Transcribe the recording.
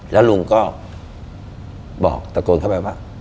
แล้วลุงก็บอกตะโกนเข้าไปว่า